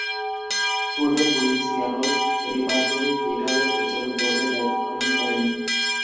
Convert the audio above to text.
পূর্বে, queen Seattle Repertory থিয়েটারের পরিচালক বোর্ডের দায়িত্ব পালন করেন।